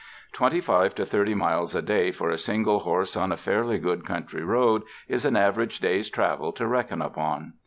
Twenty five to thirty miles a day for a single horse on a fairly good country road is an average day's travel to reckon upon.